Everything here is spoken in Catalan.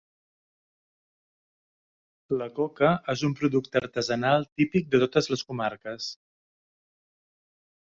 La coca és un producte artesanal típic de totes les comarques.